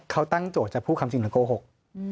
เขาตั้งโจทย์จะพูดความจริงหรือโกหก